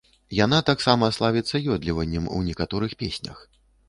Яна таксама славіцца ёдліваннем у некаторых песнях.